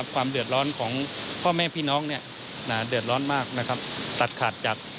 ความเดือดร้อนของพ่อแม่พี่น้องเดือดร้อนมากนะครับตัดขาดจาก